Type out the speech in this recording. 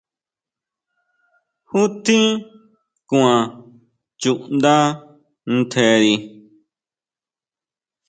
¿Ju tjín kuan chuʼnda ntjeri?